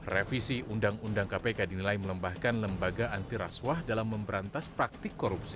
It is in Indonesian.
revisi undang undang kpk dinilai melembahkan lembaga antiraswah dalam memberantas praktik korupsi